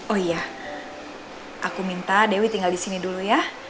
oh iya aku minta dewi tinggal disini dulu ya